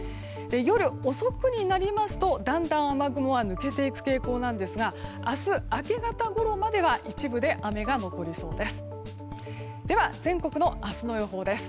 夜遅くになりますと、だんだん雨雲は抜けていく傾向なんですが明日明け方ごろまでは一部で雨が残りそうです。